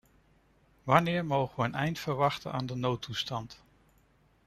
Wanneer mogen we een eind verwachten aan de noodtoestand?